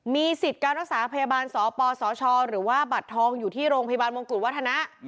มีสิทธิ์การรักษาพยาบาลสปสชหรือว่าบัตรทองอยู่ที่โรงพยาบาลมงกุฎวัฒนะ